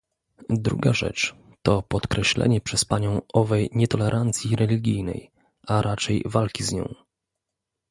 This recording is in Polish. Druga rzecz to podkreślenie przez Panią owej nietolerancji religijnej, a raczej walki z nią